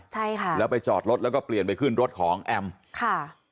ใช่ค่ะแล้วไปจอดรถแล้วก็เปลี่ยนไปขึ้นรถของแอมค่ะ